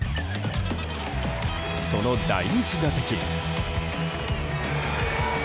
その第１打席。